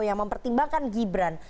yang mempertimbangkan gibran